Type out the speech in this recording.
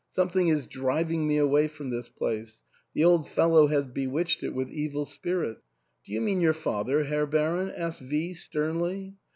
Something is driving me away from this place. The old fellow has bewitched it with evil spirits." " Do you mean your father, Herr Baron ?" asked V sternly.